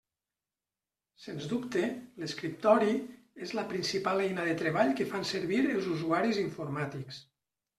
Sens dubte, l'escriptori és la principal eina de treball que fan servir els usuaris informàtics.